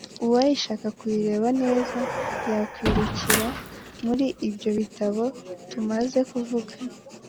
Uwayishaka kuyireba neza ,yakwirukira muri ibyo bitabo tumaze kuvuga.